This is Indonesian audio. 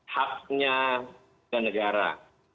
haknya ke negara